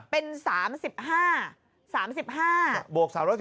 เป็นเท่าไหร่